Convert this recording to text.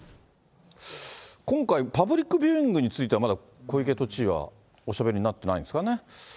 今回、パブリックビューイングについては、まだ小池都知事はおしゃべりになってないんですかね。